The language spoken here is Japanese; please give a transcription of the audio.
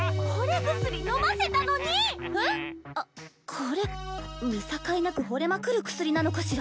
これ見境なくほれまくる薬なのかしら。